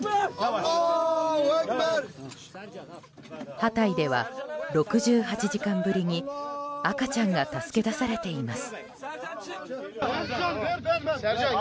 ハタイでは６８時間ぶりに赤ちゃんが助け出されています。